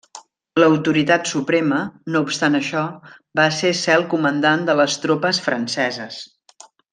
L'autoritat suprema, no obstant això, va ser cel comandant de les tropes franceses.